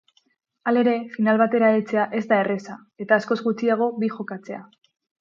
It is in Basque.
Halere final batera heltzea ez da erreza, eta askoz gutxiago bi jokatzea.